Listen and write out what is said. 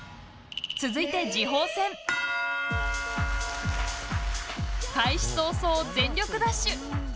続いて、次鋒戦。開始早々、全力ダッシュ！。